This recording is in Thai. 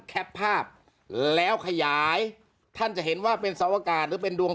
แปปภาพแล้วขยายท่านจะเห็นว่าเป็นสวกาศหรือเป็นดวง